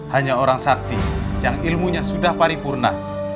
hanya orang sakti yang ilmunya sudah paripurna